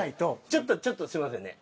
ちょっとちょっとすいませんね。